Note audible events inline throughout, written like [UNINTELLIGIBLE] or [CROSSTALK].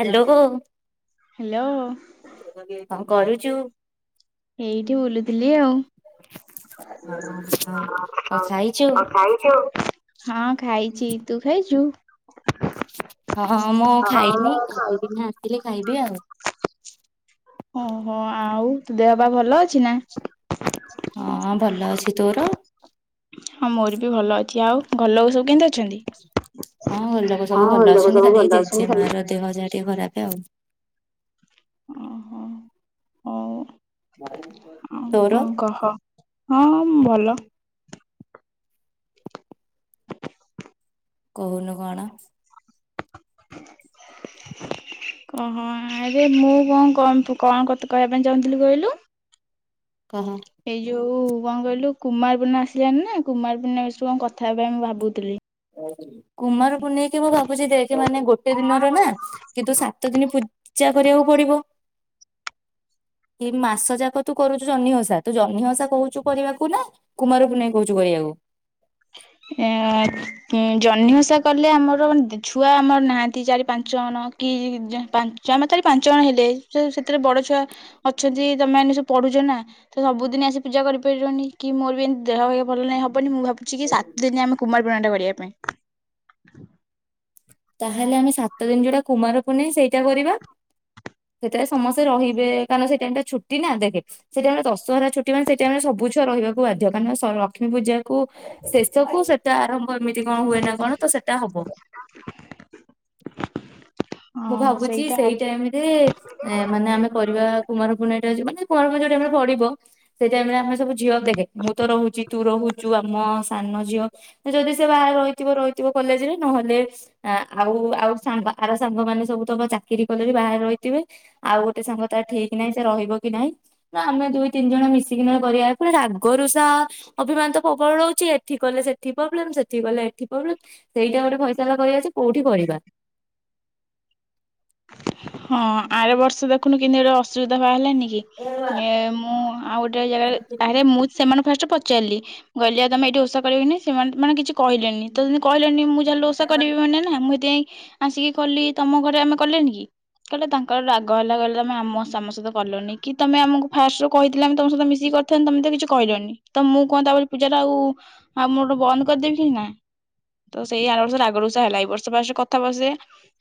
Hello. Hello କଣ କରୁଚୁ? ଏଇଠି ବୁଲୁଥିଲି ଆଉ। ହଁ ଖାଇଛୁ ହଁ ଖାଇଚି। ତୁ ଖାଇଚୁ? ହଁ ମୁଁ ହଁ ମୁଁ ଖାଇନି। ଖାଇଛି। ଗାଧେଇକିନି ଆସିଲେ ଖାଇବି ଆଉ। ଓହୋ। ଆଉ ଦେହ ପା ଭଲ ଅଛି ନା? ହଁ ଭଲ ଅଛି। ତୋର? ହଁ ମୋର ବି ଭଲ ଅ ଆଉ ଘଲ ଲୋକ ସବୁ କେନ୍ତି ଅଛନ୍ତି? ହଁ ଘର ଲୋକ ସବୁ ଭଲ ଅଛନ୍ତି ଖାଲି ଏଇ ଜେଜେମା ର ଦେହ ଯାହା ଟିକେ ଖରାପେ ଆଉ। ଓହୋ। ହଉ ଆଉ ତୋର? କଣ କହ। ହଁ ମୁଁ ଭଲ। କହୁନୁ କଣ? ଓହୋ ଆରେ ମୁଁ କଣ କ କଣ କଥା କହିବା ପାଇଁ ଚାହୁଁଥିଲି କହିଲୁ? କହ। ଏଇ ଯୋଉ କଣ କହିଲୁ କୁମାରପୂର୍ଣ୍ଣା ଆସିଲାନି ନା କୁମାରପୂର୍ଣ୍ଣାେ ବିଷୟରେ କଣ କଥା ହେବା ପାଇଁ ମୁଁ ଭାବୁଥିଲି। କୁମାରପୂର୍ଣ୍ଣେଇକି ମୁଁ ଭାବୁଛି ଦେଖ ମାନେ ଗୋଟେ ଦିନରେ ନା କିନ୍ତୁ ସାତ ଦିନ ପୂଜା କରିବାକୁ ପଡିବ। ଏ ମାସ ଯାକ ତୁ କରୁଛୁ ଜହ୍ନିଓସା ତୁ ଜହ୍ନିଓସା କହୁଛୁ କରିବାକୁ ନା କୁମାରପୂର୍ଣ୍ଣେଇ କହୁଛୁ କରିଆକୁ। ଏ ଜହ୍ନି ଓଷା କଲେ ଆମର ଦି ଛୁଆ ଆମର ନାହାନ୍ତି ଚାରି ପାଞ୍ଚ ଜଣ କି ଆମ ଚାରି ପାଞ୍ଚ ଜଣ ହେଲେ ସେ ସେଥିରେ ବଡ଼ ଛୁଆ ଅଛନ୍ତି ତମେ ମାନେ ସବୁ ପଢୁଛ ନା। ତ ସବୁଦିନ ଆସି ପୂଜା କରିପାରିବନି କି ମୋର ବି ଏମତି ଦେହ ଭଲ ନାହିଁ ହବନି ମୁଁ ଭାବ ଚିକି ସାତ ଦିନ ଆମେ କୁମାର ପୂର୍ଣ୍ଣିମା ଟା କରିବା ପାଇଁ। ତାହେଲେ ଆମେ ସାତ ଦିନ ଯୋଉଟା କୁମାର ପୁନେଇ ସେଇଟା କରିବା। ସେତେବେଳେ ସମସ୍ତେ ରହିବେ କାରଣ ସେଇ ଟାଇମ ଟା ଛୁଟି ନା ଦେଖେ। ସେଠି ଆମ ଦଶହରା ଛୁଟି ମାନେ ସେଠି ଆମେ ସବୁଛୁଆ ରହିବାକୁ ବାଧ୍ୟ କାରଣ ଲକ୍ଷ୍ମୀ ପୂଜା। କୁ ଶେଷ କୁ ସେଟା ଆରମ୍ଭ ଏମିତି କଣ ହୁଏ ନା କଣ ତ ସେଟା ହବ। ମୁଁ ହଁ ଭାବୁଛି ସେଇଟା ସେଇ ହବ ଟାଇମ ରେ ଏ ମାନେ ଆମେ କରିବା କୁମାରପୂନେଇ ଏଟା ଯେ ମାନେ କୁମାରପୁନେଇ ଯୋଉ ଟାଇମ ରେ ପଡିବ। ସେଇ ଟାଇମରେ ଆମେ ସବୁ ଝିଅ ଦେଖେ ମୁଁ ତ ରହୁଛିି ତୁ ରହୁଛୁ ଆମ ସାନ ଝିଅ ଯଦି ସେ ବାହାରେ ରହିଥିବ ରହିଥିବ କଲେଜରେ ନହେଲେ ଆ ଆଉ ଆଉ ସାଙ୍ଗ ଆର ସାଙ୍ଗମାନେ ସବୁ ତମ ଚାକିରି କଲେ ବି ବାହାରେ ରହି ଥିବେ ଆଉ ଗୋଟେ ସାଙ୍ଗ ତା ଠିକ ନାହିଁ ସେ ରହିବ କି ନାହିଁ। ନା ଆମେ ଦୁଇ ତିନି ଜଣ ମିଶିକି ନା କରିବା ପୁଣି ରାଗରୁଷା ଅଭିମାନ ତ ପ୍ରବଳ ରହୁଛି ଏଠି କଲେ ସେଠି ପ୍ରୋବ୍ଲେମ ସେଠି କଲେ ଏଠି ପ୍ରୋବ୍ଲେମ। ସେଇଟା ଗୋଟେ ଫଇସଲା କରିବା ଯେ କୋଉଠି କରିବା। ହଁ ଆର ବର୍ଷ ଦେଖୁନୁ କେମନ୍ତି ଗୋଟେ ଅସୁବିଧା ବାହାରିଲାନି କି। ଏ ମୁଁ ଆଉ ଗୋଟେ ଜାଗାରେ ଆରେ ମୁଁ ସେମାନେ ଫାଷ୍ଟ ପଚାରିଲି ମୁଁ କହିଲି ଆଉ ତମେ ଏଇଠି ଓଷା କରିବି ନି ନାଇ ସେ ମାନେ କିଛି କହିଲେନି। ତ ଯଦି କହିଲେନି ମୁଁ ଯାହା ଓଷା କରିବି ମାନେ ନା ମୁଁ ସେଥିପାଇଁ ଆସିକି କଲି ତମ ଘରେ ଆମେ କଲେନି କି। କହିଲେ ତାଙ୍କର ରାଗ ହେଲା କହିଲେ ତମେ ଆମ ସହିତ କଲୁନି କି ତମେ ଆମକୁ ଫାଷ୍ଟ ରୁ କହିଥିଲେ ଆମେ ତମ ସହିତ ମିଶିକି କର ଥାନ୍ତୁ ତମେ ତ କିଛି କହିଲନି ତ ମୁଁ କଣ ତା ବୋଲି ପୂଜା ଟା ଆଉ ଆଉ ମୁଁ ମୋର ବନ୍ଦ କରିଦେବି କି ନା। ତ ସେଇ ଆର ବର୍ଷରେ ରାଗ ରୁଷା ହେଲା ଏଇ ବର୍ଷ ଫାର୍ଷ୍ଟ କଥା ବସେଇଆ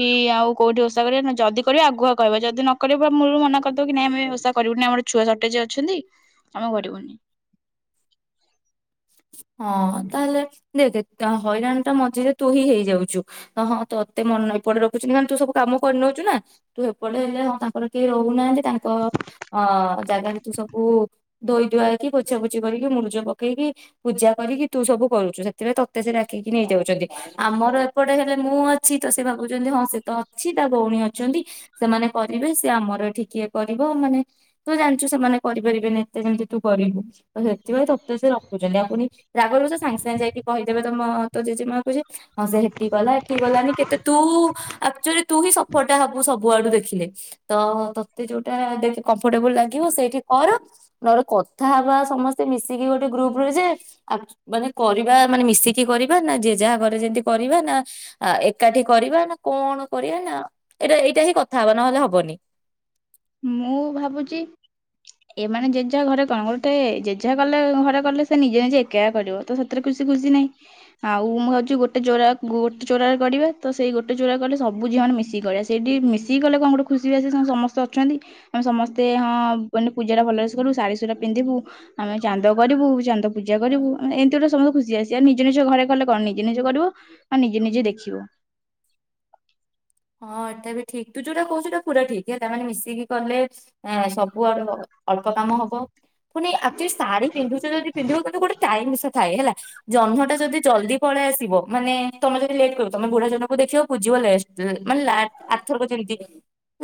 କି ଆଉ କଉଠି ଓଷା କରିବା ଯଦି କରିବ ଆଗୁଆ କହିବ ଯଦି ନ କରିବ ମୂଳ ରୁ ମନା କରିଦବ କି ନାଇ ଆମେ ଓଷା କରିବୁନି ଆମର ଛୁଆ ସଟେଜ ଅଛନ୍ତି ଆମେ କରିବୁନି। ହଁ ତାହେଲେ ଦେଖ ହଇରାଣ ଟା ମଝିରେ ତୁହି ହେଇଯାଉଛୁ। ହଁ ତୋତେ ମନ ନାହିଁ ଏପଡେ ରଖୁଛନ୍ତିି ମାନେ ତୁ ସବୁ କାମ କରିନେଉଛୁ ନା। ତୁ ଏପଟେ ହେଲେ ହଁ ତାଙ୍କର କେହି ରହୁନାହାନ୍ତି ତାଙ୍କ ଅ ଜାଗାରେ ତୁ ସବୁ ଧୋଇ ଧୁଆ ହେଇକି ପୋଛା ପୋଛି କରିକି ମୁରୁଜ ପକେଇକି ପୂଜା କରିକି ତୁ ସବୁ କରୁଛୁ ସେଥିପାଇଁ ତତେ ସେ ଡାକିକି ନେଇଯାଉଛନ୍ତି ଆମର ଏପଟେ ହେଲେ ମୁଁ ଅଛି ତ ସେ ଭାବୁଛନ୍ତି ହଁ ସେ ତ ଅଛି ତା ଭଉଣୀ ଅଛନ୍ତି ସେମାନେ କରିବେ। ସେ ଆମର ଏଠି ଇଏ କରିବ ମାନେ ତୁ ଜାଣିଛୁ ସେମାନେ କରିପାରିବେନି ଏତେ ଯେମିତି ତୁ କରିବୁ। ସେଥିପାଇଁ ତତେ ସେ ରଖୁଛନ୍ତି ଆଉ ପୁଣି ରାଗ ରୁଷା ସାଙ୍ଗେ ସାଙ୍ଗେ ଯାଇକି କହିଦେବେ ତମ ତୋ ଜେ ଜେମା କୁ ଯାଇ ହଁ ସେ ସେଠି କଲା ଏଠି କଲାନି କେତେ ତୁ ଆକଚୁଆଲି ତୁ ହିଁ ସଫରଟା ହବୁ ସବୁଆଡୁ ଦେଖିଲେ ତ ତତେ ଯୋଉଟା ଦେଖେ କମ୍ଫର୍ଟେବୁଲ ଲାଗିବ ସେଇଠି କର। ନହେଲେ କଥା ହେବା ସମସ୍ତେ ମିଶିକି ଗୋଟେ ଗ୍ରୁପ ଯେ ଆ ମାନେ କରିବା ମାନେ ମିଶିକି କରିବା ନା ଯିଏ ଯାହା କରେ ଯେମିତି କରିବା ନା। ଆ ଏକାଠି କରିବା ନା କଣ କରିବା ନା ଏଇଟା ଏଇଟା ହିଁ କଥା ହବା ନହେଲେ ହବନି। ମୁଁ ଭାବୁଛି। ଏମାନେ ଜେ ଜାହା ଘରେ କଣ ଗୋଟେ ଜେ ଜାହା କଲେ ଘରେ କଲେ ସେ ନିଜେ ନିଜେ ଏକା କରିବ। ତ ସେଥିରେ ଖୁସି ନାଇଁ। ଆଉ ମୁଁ ଭାବଛି ଗୋଟେ ଚଉରା ଗୋଟେ ଚଉରାରେ କରିବା ତ ସେଇ ଗୋଟେ ଚଉରା କଲେ ସବୁ ଝିଅ ମାନେ ମିଶିକି କରିବା ସେ ସେଇଠି ମିଶିକି ଗଲେ କଣ ଗୋଟେ ଖୁସି ବାସି ସମସ୍ତ ଛନ୍ତି ଆମେ ସମସ୍ତେ ହଁ ମାନେ ପୂଜାଟା ଭଲ ସରୁ କଲୁ ଶାଢୀ ସୁଢା ପିନ୍ଧିବୁ। ଆମେ ଚାନ୍ଦ କରିବୁ ଚାନ୍ଦ ପୂଜା କରିବୁ ଏମିତି ଗୁଟେ ସମସ୍ତେ ଖୁସି ଆସି ଆଉ ନିଜ ନିଜ ଘରେ କଲେ କଣ ନିଜ ନିଜ କରିବୁ? ଆ ନିଜେ ନିଜେ ଦେଖିବ। ହଁ ଏଟା ବି ଠିକ ତୁ ଯୋଉଟା କହୁଛୁ ଏଟା ପୁରା ଠିକ୍ ହେଲ ତା ମାନେ ମିଶିକି କଲେ। ଆ ସବୁ ଆଡୁ ଅଳ୍ପ କାମ ହବ। ପୁଣି ଆ ଷାଢୀ ପିନ୍ଧୁଚୁ ଯଦି ଯିଏ ପିନ୍ଧିବ କିନ୍ତୁ ଗୋଟେ ଟାଇମ ଷ ଥାଏ ହେଲା। ଜହ୍ନଟା ଯଦି ଜଲଦି ପଳେଇ ଆସିବ ମାନେ ତମେ ଯଦି ଲେଟ୍ କରିବ ତମେ ବୁଢା ଜଣଙ୍କୁ ଦେଖିବ ପୂଜିବ ଲେଟ। ମାନେ ଲା ଆରଥରକ ଯେମିତି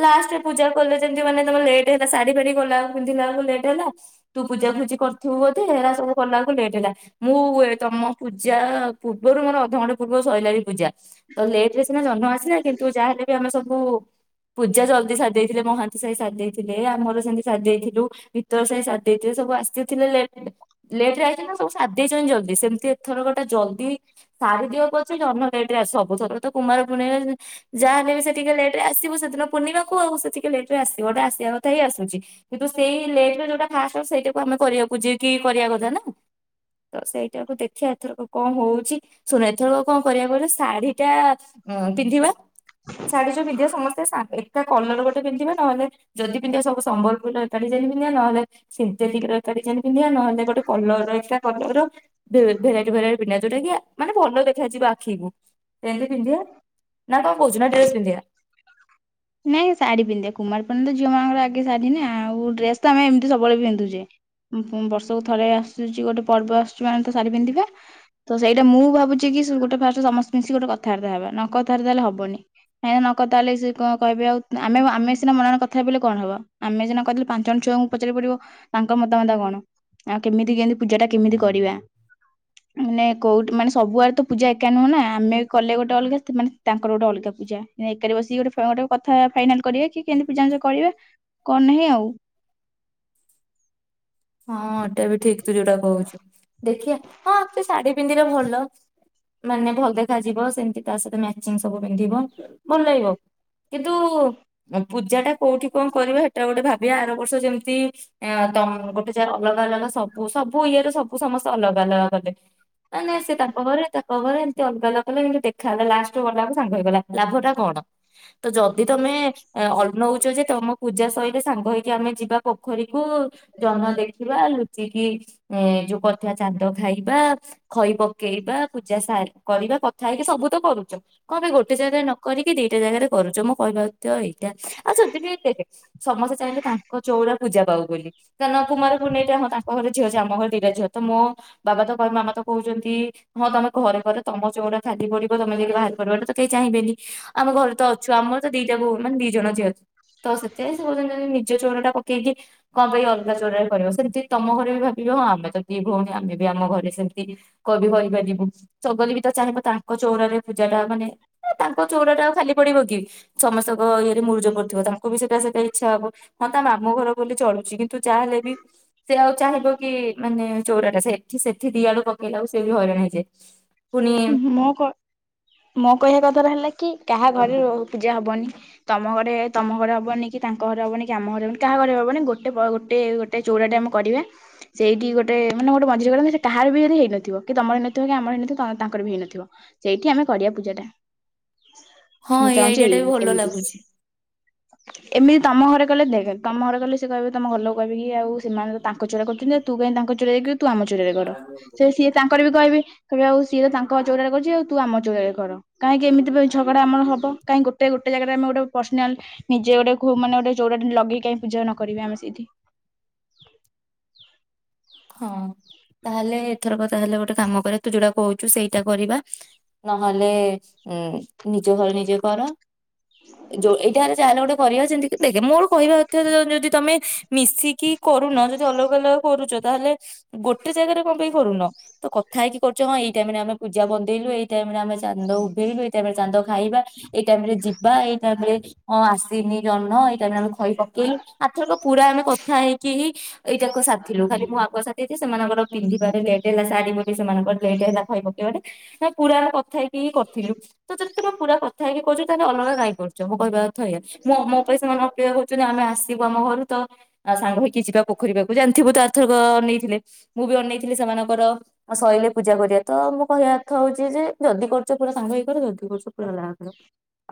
ଲାଷ୍ଟ ପୂଜା କଲେ ଯେମିତି ମାନେ ତମେ ଲେଟ୍ ହେଲା ଶାଢୀ ଫାଢୀ ଗଲା ପିନ୍ଧିଲା ବେଳକୁ ଲେଟ୍ ହେଲା। ତୁ ପୂଜା ଭୁଜି କରୁଥିବୁ ବୋଧେ ହେରା ସବୁ କଲାକୁ ଲେଟ୍ ହେଲା। ମୁଁ ଉଏ ତମ ପୂଜା ପୂର୍ବରୁ ମୋର ଅଧଘଣ୍ଟେ ପୂର୍ବରୁ ସଇଲାଇଁ ପୂଜା। ତ ଲେଟରେ ସିନା ଜହ୍ନ ଆସେ। ତାହେଲେ ବି ଆମେ ସବୁ ପୂଜା ଜଲ୍ଦି ସାରିଦେଇଥିଲେ ମହାନ୍ତି ସାହି ସାଧ ଦେଇ ଥିଲେ ଆମର ସେମିତି ସାରି ଦେଇଥିଲୁ ଭିତର ସାହି ସାରି ଦେଇଥିଲେ ସବୁ ଆସିଥିଲେ ଲେ ଲେଟରେ ଆଇଥିଲା ସବୁ ସାରି ଦେଇଛନ୍ତି ଜଲଦି ସେମିତି ଏଥରକଟା ଜଲ୍ଦି ସାରିଦିଅ ପଛେ ଜହ୍ନ ଲେଟରେ ଆ ସବୁ ଥର ତ କୁମାର ପୂର୍ଣିମା ଯାହା ହେଲେ ବି ସେ ଟିକେ ଲେଟ ରେ ଆସିବ ସେଦିନ ପୂର୍ଣ୍ଣିମାକୁ ଆଉ ସେ ଟିକେ ଲେଟ ରେ ଆସିବ ଆସିବା କଥା ହିଁ ଆସୁଚି କିନ୍ତୁ ସେଇ ଲେଟରେ ଯୋଉଟା ଫାଷ୍ଟ ସେଇଟାକୁ ଆମେ କରିବାକୁ ଯି କି କରିବା କଥା ନା ତ ସେଇଟାକୁ ଦେଖିବା ଏଥରକ କଣ ହଉଚି ଶୁଣ ଏଥରକ କଣ କରିବା କହିଲ ଶାଢୀ ଟା ହଁ ପିନ୍ଧିବା ହଁ। ଶାଢୀ ଯୋଉ ପିନ୍ଧିବା ସମସ୍ତେ ଶା ଏକା କଲର ଗୋଟେ ପିନ୍ଧିବା ନହେଲେ ଯଦି ପିନ୍ଧିବା ସବୁ ସମ୍ୱଲପୁରୀ ଏକାଠି ଶାଢୀ ପିନ୍ଧିବା ନହେଲେ ସିନ୍ଥେଟିକର ଏକ ଡିଜାଇନ୍ ପିନ୍ଧିବା ନହେଲେ ଗୋଟେ କଲର ଏକା କଲର ଭେରାଇଟି ଭେରାଇଟି ପିନ୍ଧିବା ଯୋଉଟାକି ମାନେ ଭଲ ଦେଖାଯିବ ଆଖିକୁ ସେମିତି ପିନ୍ଧିବା। ନା କଣ କହୁଚୁ ନା ଡ୍ରେସ୍ ପିନ୍ଧିବା? ନାଇଁ ଶାଢୀ ପିନ୍ଧିବା କୁମାର ପୂର୍ଣ୍ଣମି ତ ଝିଅମାନଙ୍କ ଆଗେ ଶାଢୀ ନା ଆଉ ଡ୍ରେସ୍ ତ ଆମେ ଏମିତି ସବୁବେଳେ ପିନ୍ଧୁଚେ। ବର୍ଷକୁ ଥରେ ଆସୁଚି ଗୋଟେ ପର୍ବ ଆସୁଚି ମାନେ ତ ଶାଢୀ ପିନ୍ଧିବା। ତ ସେଇଟା ମୁଁ ଭାବୁଚି କି ଗୋଟେ ଫାଷ୍ଟ ସମସ୍ତେ ମିଶି ଗୋଟେ କଥାବାର୍ତ୍ତା ହେବା ନ କଥାବାର୍ତ୍ତା ହେଲେ ହବନି। ହେ ନକଥା ହେଲେ ଯେ କଣ କହିବେ ଆଉ ଆମେ-ଆମେ ସିନା ମନରେ କଥା ହେଇପଇଲେ କଣ ହବା। ଆମେ ସିନା କହିଦେଲେ ପାଞ୍ଚ ଜଣ ଛୁଆଙ୍କୁ ପଚାରି ପଡିବ? ତାଙ୍କ ମତାମତ କଣ ଆଉ କେମିତି-କେମିତି ପୂଜାଟା କେମିତି କରିବା? ମାନେ କେଉଁଠି, ମାନେ ସବୁ ଆଡେ ତ ପୂଜା ଏକା ନୁହେଁ ନା। ଆମେ କଲେ ଗୋଟେ ଅଲଗା। ସେମାନେ ତାଙ୍କର ଗୋଟେ ଅଲଗା ପୂଜା? ଏକାରି ବସିକି ଗୋଟେ ଛୁଆ ଗୋଟେ କଥା ଫାଇନାଲ କରେ କି। କେମିତି ପୂଜା ଅଞ୍ଜଲି କରିବେ କଣ ନାହିଁ ଆଉ। ହଁ, ଏଟା ବି ଠିକ ତୁ ଯୋଉଟା କହୁଛୁ। ଦେଖିଆ ହଁ ତୁ ଶାଢୀ ପିନ୍ଧିଲେ ଭଲ। ମାନେ ଭଲ ଦେଖାଯିବ। ସେମିତି ତା ସହିତ ମ୍ୟାଚିଙ୍ଗ ସବୁ ପିନ୍ଧିବ। ଭଲ ଲାଗିବ। କିନ୍ତୁ ପୂଜା ଟା କୋଉଠି କଣ କରିବା ହେଟା ଗୋଟେ ଭାବିବା। ଆର ବର୍ଷ ଯେମିତି ଆ ତମ ଗୋଟେ ଯା ଅଲଗା-ଅଲଗା ସବୁ-ସବୁ ଇଏରେ ସବୁ ସମସ୍ତେ ଅଲଗା-ଅଲଗା କଲେ। ନାଇଁ-ନାଇଁ ସେ ତାଙ୍କ ଘରେ ତା କବରେ ଏମତି ଅଲଗା ଅଲଗା କଲେ ଏମିତି ଦେଖାଗଲା ଲାଷ୍ଟକୁ ଗଲାକୁ ସାଙ୍ଗ ହେଇଗଲା। ଲାଭ ଟା କଣ? ତ ଯଦି ତମେ ଅଲନୌଛ ଯେ ତମ ପୂଜା ସଇଲେ ସାଙ୍ଗ ହେଇ ଆମେ ଯିବା ପୋଖରୀକୁ ଯହ୍ନ ଦେ ରଖିବା ଲୁଚିକି। ଏ ଯୋଉ କରିଥିବା ଚାନ୍ଦ ଖାଇବା। ଖଇ ପକେଇବା, ପୂଜା ସରୀ କରିବା କଥା ହେଇକି ସବୁ ତ କରୁଛ। କଣ ପାଇଁ ଗୋଟେ ଜାଗାରେ ନ କରିକି ଦିଟା ଜାଗାରେ କରଛ। ମୁଁ କହିବା ତ ଏଇଟା ଆଉ ଯଦି ବି ଦେଖେ ସମସ୍ତେ ଚାହିଁଲେ ତାଙ୍କ ଚଉରା ପୂଜା ପାଉ ବୋଲି କାରଣ କୁମାରୁ ହଁ ତାଙ୍କ ଘରେ ଝିଅ ଅଛି ଆମ ଘରେ ଦିିଟା ଝିଅ ତ ମୋ ବାବା ତ ମାମା ତ କହୁଛନ୍ତି ହଁ ତମେ ଘରେ କର ତମର ଚଉରା ଖାଲି ପଡିବ ତମେ ଯଦି ବାହାରେ କରିବ ଏଇଟା ତ କେହିଚାହିଁବେନି। ଆମ ଘରେ ତ ଅଛୁ ଆମର ତ ଦିଟା ବୋଉ ମାନେ ଦି ଜଣ ଝିଅ ଅଛି ତ ସେତେଳେ ସେ କହୁଛନ୍ତି ନାଇ ନିଜ ନିଜ ଚଉରା ଟା ପକେଇକି କଁ ପାଇଁ ଇ ଅଲଗା ଚଉରାରେ କରିବ? ସେମିତି ତମ ଘରେ ବି ଭାବିବେ ଆମେ ତ ଦି ଭଉଣୀ ଆମେ ବି ଆମ ଘରେ ସେମିତି କବି କରିପାରିବୁ ଚଗଲି ବି ତ ଚାହିଁବ ତାଙ୍କ ଚଉରରେ ପୂଜା ଟା ମାନେ ଏଁ ତାଙ୍କ ଚଉର ଟା ଆଉ ଖାଲି ପଡିବ କି ସମସ୍ତଙ୍କ ଇଏରେ ମୁରୁଜ ପଡିଥିବ ତାଙ୍କୁ ବି ସେଇଟା ସେଇଟା ଇଚ୍ଛା ହବ। ହଁ ତା ମାମୁଁ ଘର ବୋଲି ଚଳୁଚି କିନ୍ତୁ ଯାହାହେଲେ ବି ସେ ଆଉ ଚାହିଁବ କି ମାନେ ଚଉରାଟା ସେଠି ସେଠି ଦିଆଡୁ ପକେଇଲା କୁ ସେ ବି ହଇରାଣ ହେଇଯିବେ। ମୋ କ ମୋ କହିବା କଥାଟା ହେଲା କି କାହା ଘରେ ର ପୂଜା ହବନି। ତମ ଘରେ ତମ ଘରେ ହବନି କି ତାଙ୍କ ଘରେ ହବନି କି ଆମ ଘରେ ହେବନି କାହା ଘରେ ହବନି ଗୋଟେ ପରେ ଗୋଟେ ଏ ଚଉରାଟେ ଆମେ କରିବା। ସେଇଠି ଗୋଟେ ମାନେ ଗୋଟେ ମଝିରେ କରନ୍ତେ ସେ କାହାର ବି ଯଦି ହେଇନଥିବ କି ତମ ହେଇନଥିବ କି ଆମର ହେଇନଥିବ। ତାଙ୍କର ବି ହେଇନଥିବ ସେଇଠି ଆମେ କରିବା ପୂଜାଟା। ହଁ ମୁଁ ଏଇ ଚାହୁଁଛି ଆଇଡିଆ ଟା ବି ଭଲ ଏମିତି। ଲାଗୁଛି। ଏମିତି ତମ ଘରେ କଲେ ଦେଖ୍ ତମ ଘରେ କଲେ ସେ କହିବେ ତମ ଘରଲୋକେ କହିବେକି ଆଉ ସେମାନେ ତାଙ୍କ ଚୋରା କରୁଛନ୍ତି ଆଉ, ତୁ କାଇଁ ତାଙ୍କ ଚୋରାରେ କରିବୁ ତୁ ଆମ ଚୋରାରେ କର। ସେ ସିଏ ତାଙ୍କର ବି କହିବେ ଆଉ ସିଏ ତ ତାଙ୍କ ଚଉରାରେ କରିଛି ଆଉ ତୁ ଆମ ଚଉରା ରେ କର କାହିଁକି ଏମିତି ଝଗଡା ଆମର ହବ। କାଇଁ ଗୋଟେ ଗୋଟେ ଜାଗାରେ ଆମେ ଗୋଟେ ପର୍ଶିନାଲ ନିଜେ ଗୋଟେ ଖୁବ୍ ମାନ ଗୋଟେ ଚଉଁରାଟେ ଲଗେଇ କାଇଁ ପୂଜା ନ କରିବା ଆମେ ସେଇଠି। ହଁ ତାହେଲେ ଏଥର କ ତାହେଲେ ଗୋଟେ କାମ କରିବା ତୁ ଯୋଉଟା କହୁଛୁ ସେଇଟା କରିବା। ନହେଲେ ଇଁ ନିଜ ଘରେ ନିଜେ କର। ଯୁ ଏଇଟା ହେଲେ ଯାହାହେଲେ ଗୋଟେ କରିିବା ଯେମିତି ଦେଖେ ମୋର କହିବା କଥା ଯଦି ତମେ ମିଶିକି କରୁନ ଯଦି ଅଲଗା ଅଲଗା କରୁଚ ତାହେଲେ ଗୋଟେ ଜାଗାରେ କଣ ପାଇଁ କରୁନ? ତ କଥା ହେଇକି କରୁଛ କଣ ଏଇ ଟାଇମ୍ ରେ ଆମେ ପୂଜା ବନ୍ଦେଇଲୁ ଏଇ ଟାଇମ୍ ରେ ଆମେ ଚାନ୍ଦ ଉଭେଇଲୁ ଏଇ ଟାଇମ ରେ ଚାନ୍ଦ ଖାଇବା ଏଇ ଟାଇମ୍ ରେ ଯିବା ଏଇ ଟାଇମ୍ ରେ ହଁ ଆସି ତିନି ଜହ୍ନ ଏଇ ଟାଇମ୍ ରେ ଆମେ ଖଇ ପକେଇଲୁ ଆରଥରକ ପୁରା ଆମେ କଥା ହେଇକି ହି ଏଇ ତାଙ୍କ ସାଥିଲୁ ଖାଲି ମୁଁ ଆଗୁଆ ସାଥିଛି ସେମାନଙ୍କର ପିନ୍ଧିବାରେ ଲେଟ୍ ହେଲା ଶାଢୀବୋଲି ସେ ସେମାନଙ୍କର ଲେଟ୍ ହେଲା ଖଇ ପକେଇବାରେ ନା ପୁରା ଆମେ କଥା ହେଇକି ହିଁ କରିଥିଲୁ। ତ ଚରିତର ପୁରା କଥା ହେଇକି କହୁଚ ତାହେଲେ ଅଲଗା କାଇଁ କରୁଚ ମୋ କହିବା ଅର୍ଥ ଏୟା। ମୋ ମୋ [UNINTELLIGIBLE] ଅପେକ୍ଷା କରିଚନ୍ତି ଆମେ ଆସ୍ [UNINTELLIGIBLE] ଆମ ଘରୁ ତ ଆ ସାଙ୍ଗ ହେଇକି ଯିବା ପୋଖରି ପାଖକୁ ଜାଣିଥିବୁ ତ ଆରଥରକ ନେଇଥିଲେ। ମୁଁ ବି ଅନେଇଥିଲି ସେମାନକର ଆ ଶଇଲେ ପୂଜା କରିବା ତ ମୁଁ କହିବା ଅର୍ଥ ହଉଚି ଯେ ଯଦି କରୁଚ ପୁରା ସାଙ୍ଗ ହେଇକି କର ଯଦି କରୁଚ ପୁରା ଲା ତୁ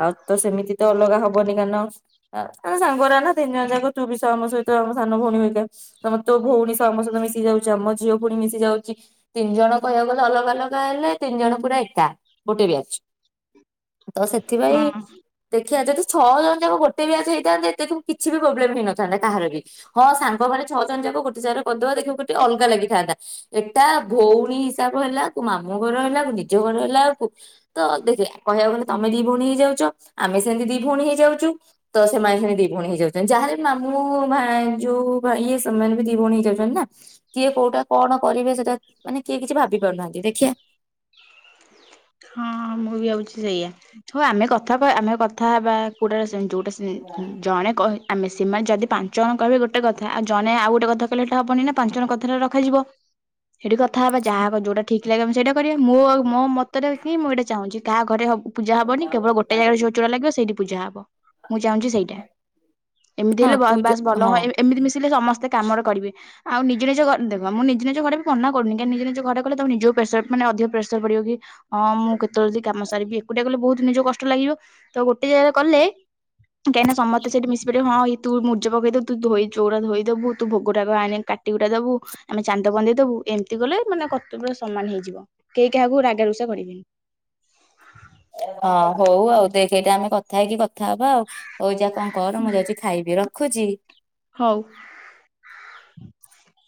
ଆଉ ତ ସେମିତି ତ ଅଲଗା ହବନି କାରନ ଆ ଆ ସାଙ୍ଗରା ନା ତିନି ଜଣ ଯାକ ତୁ ବି ସ ଆମ ସଇ ତ ଆମ ସାନ ଭଉଣୀ ମେଘା ସି ତମ ତୋ ଭଉଣୀ ସ ଆମ ସହିତ ମିଶି ଯାଉଚି ଆମ ଝିଅ ପୁଣି ମିଶି ଯାଉଚି ତିନି ଜଣ କହିଆକୁ ଗଲେ ଅଲଗା ଅଲଗା ହେଲେ ତିନି ଜଣ ପୁରା ଏକା। ଗୋଟେ ବ୍ୟାଚ୍ ତ ସେଥିପାଇଁ ହଁ ଦେଖିଆ ଯଦି ଛଅ ଜଣ ଯାକ ଗୋଟେ ବ୍ୟାଚ ହେଇଥାନ୍ତେ ଦେଖିବୁ କିଛି ବି ପ୍ରୋବ୍ଲେମ ହେଇନଥାନ୍ତା କାହାର ବି। ହଁ ସାଙ୍ଗମାନେ ଛଅ ଜଣ ଯାକ ଗୋଟେ ଜାରେ ପଦୁଆ [UNINTELLIGIBLE] ପତି ଅଲଗା ଲାଗିଥାନ୍ତା ଏଟା ଭଉଣୀ ହିସାବ ହେଲା ତୁ ମା ମୋ ଘର ହେଲା ବୁ ନିଜ ଘର ହେଲା ବୁ ତ ଦେଖେ କହିଆଉ ଗଲେ ତମେ ଦି ଭଉଣୀ ହେଇଯାଉଚ ଆମେ ସେମିତି ଦି ଭଉଣୀ ହେଇଯାଉଚୁ ତ ସେମାନେ ସେମିତି ଦି ଭଉଣୀ ହେଇଯାଉ ଦେନ୍ ଯାହା ହେଲେବି ମାମୁଁ ଭା ଯୋଉ ଭାଇ ସେମାନେ ବି ଦି ଭଉଣୀ ହେଇ ଯାଉଚନି ନା କିଏ କୋଉଟା କଣ କରିବେ ସେଟା ମାନେ କିଏ କିଛି ଭାବି ପାରୁନାହାନ୍ତି ଦେଖିଆ। ହଁ ମୁଁ ବି ଆଉଚି ସେଇଆ ହଉ ଆମେ କଥା ହବା ଆମେ କଥା ହେବା କୋଉଟା ସେ ଯୋଉଟା ଉୁଁ ହୁଁ ଜଣେ କହି ଆମେ ସେମା ଯଦି ପାଞ୍ଚ ଅଣ କହିବେ ଗୋଟେ କଥା ଆଉ ଜଣେ ଆଉ ଗୋଟେ କଥା କହିଲେ ହେଟା ହବନି ନା ପାଞ୍ଚ ଜଣ କଥାଟା ରଖାଯିବ। ହେଠି କଥା ହେବା ଯାହା କ ଯୋଉଟା ଠିକ୍ ଲାଗିବ ସେଇଟା କରିବା ମୁଁ ଆଉ ମୋ ମ ତ ଟା ହିଁ ମୁଁ ଏଇଟା ଚାହୁଁଚି କାହା ଘରେ ପୂଜା ହବନି କେବଳ ଗୋଟେ ଜାଗାରେ ଯୋଉ ଚୁଡ଼ା ଲାଗିବ ସେଇଠି ପୂଜା ହବ। ମୁଁ ଚାହୁଁଚି ସେଇଟା ଏମିତି ହଁ ହେଲେ ବା ତୁ ଯୋ ବାସ୍ ଭଲ ହଁ ହଏ ଏମିତି ମିଶିଲେ ସମସ୍ତେ କାମରେ କରିବେ। ଆଉ ନିଜ ନିଜ ଘ ଦେଖ ମୁଁ ନିଜ ନିଜ ଘରେ ବି ମନା କରୁନି ନିଜ ନିଜ ଘରେ କଲେ ତମୁ ନିଜକୁ ପେସର ମାନେ ଅଧିକ ପ୍ରେସର ପଡିବ କି ଅଁ ମୁଁ କେତେ ଯଲ୍ଦି କାମ ସାରିବି ଏକୁଟିଆ ଗଲେ ବହୁତ ନିଜକୁ କଷ୍ଟ ଲାଗିବ ତ ଗୋଟେ ଜାଗାରେ କଲେ କେଇନା ସମତେ ସେଠି ମିଶି ପରିବେ ହଁ ତୁ ମୁର୍ଜ ପକେଇଦବୁ ଧୋଇ ଚୋଉରା ଧୋଇଦବୁ, ତୁ ଭୋଗଟାକୁ ଆଣି କାଟିିକୁଟା ଦବୁ ଆମେ ଚାନ୍ଦ ବନ୍ଦେଇ ଦବୁ ଏମିତି କଲେ ମାନେ କତବ୍ୟ ସମାନ ହେଇଯିବ କେହି କାହାକୁ ରାଗା ଋଷା କରିବେନି। ହଁ ହଉ ଆଉ ଦେଖେ ଏଇଟା ଆମେ କଥା ହେଇକି କଥା ହବା ଆଉ। ହଉ ଯା କଁ କର ମୁଁ ଯାଉଚି ଖାଇବି ରଖୁଚି। ହଉ।